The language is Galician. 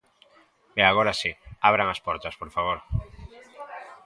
E agora si, abran as portas, por favor.